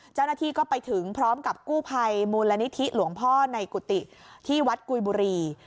เจ้าหน้าที่ก็ไปถึงพร้อมกับกู้ภัยมูลนิธิหลวงพ่อในกุฏิที่วัดกุยบุรี